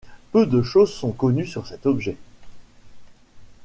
Peu de choses sont connues sur cet objet.